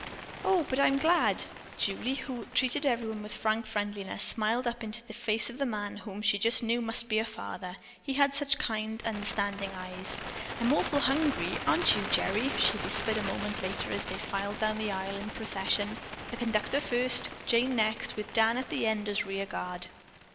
"Oh, but I'm glad," Julie, who treated everyone with frank friendliness, smiled brightly up into the face of the man whom she just knew must be a father, he had such kind, understanding eyes. "I'm awful hungry; aren't you, Gerry?" she whispered, a moment later, as they filed down the aisle in procession, the conductor first, Jane next, with Dan at the end as rear guard.